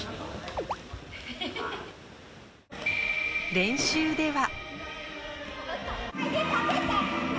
練習では。